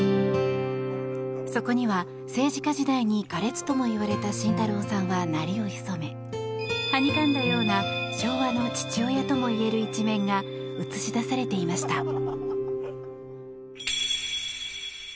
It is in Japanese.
そこには、政治家時代に苛烈ともいわれた慎太郎さんは鳴りを潜め、はにかんだような昭和の父親ともいえる一面が映し出されていました。